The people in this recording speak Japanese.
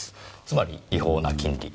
つまり違法な金利。